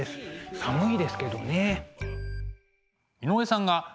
寒いですけどね。